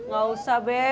gak usah be